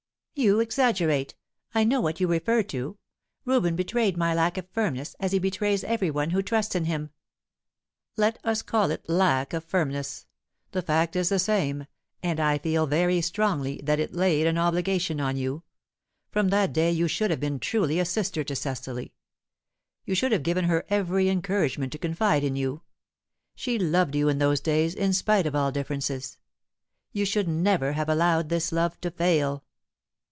"You exaggerate. I know what you refer to. Reuben betrayed my lack of firmness, as he betrays every one who trusts in him." "Let us call it lack of firmness. The fact is the same, and I feel very strongly that it laid an obligation on you. From that day you should have been truly a sister to Cecily. You should have given her every encouragement to confide in you. She loved you in those days, in spite of all differences. You should never have allowed this love to fail."